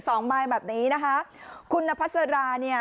สองใบแบบนี้นะคะคุณนพัสราเนี่ย